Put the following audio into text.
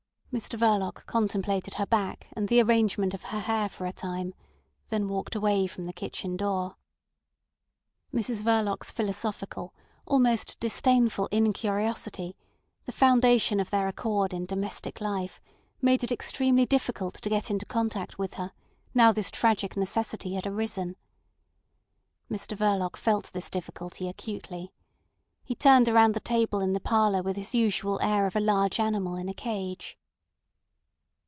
Mr Verloc contemplated her back and the arrangement of her hair for a time, then walked away from the kitchen door. Mrs Verloc's philosophical, almost disdainful incuriosity, the foundation of their accord in domestic life made it extremely difficult to get into contact with her, now this tragic necessity had arisen. Mr Verloc felt this difficulty acutely. He turned around the table in the parlour with his usual air of a large animal in a cage.